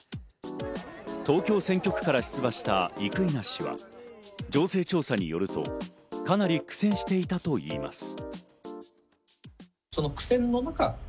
東京選挙区から出馬した生稲氏は情勢調査によると、かなり苦戦していたといいます。